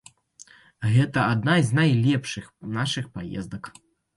Гэта адна з найлепшых нашых паездак.